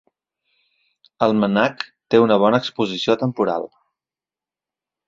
El MNAC té una bona exposició temporal.